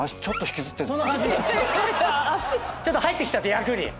ちょっと入ってきちゃって役に。